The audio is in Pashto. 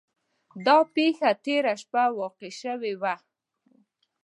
دا پیښه تیره شپه واقع شوې وه.